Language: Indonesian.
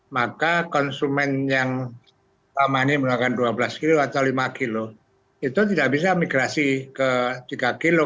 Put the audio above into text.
maka konsumen yang money menggunakan dua belas kilo atau lima kilo itu tidak bisa migrasi ke tiga kg